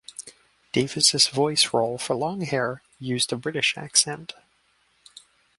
Davis' voice role for Longhair used a British accent.